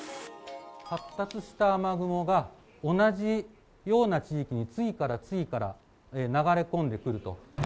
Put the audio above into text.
発達した雨雲が、同じような地域に次から次から流れ込んでくると。